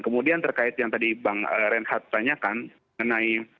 kemudian terkait yang tadi bang renhat tanyakan